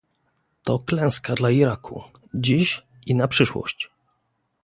To klęska dla Iraku, dziś i na przyszłość